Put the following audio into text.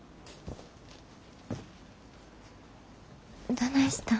どないしたん？